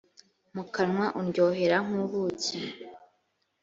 mu kanwa undyohera nk ubuki